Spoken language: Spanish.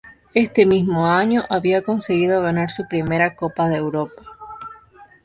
Este mismo año había conseguido ganar su primera Copa de Europa.